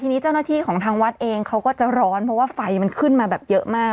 ทีนี้เจ้าหน้าที่ของทางวัดเองเขาก็จะร้อนเพราะว่าไฟมันขึ้นมาแบบเยอะมาก